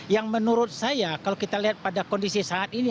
yang menurut saya kalau kita lihat pada kondisi saat ini